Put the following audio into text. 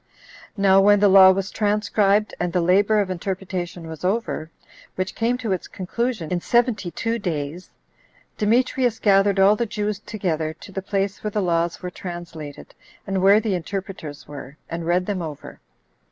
Now when the law was transcribed, and the labor of interpretation was over, which came to its conclusion in seventy two days, Demetrius gathered all the Jews together to the place where the laws were translated, and where the interpreters were, and read them over.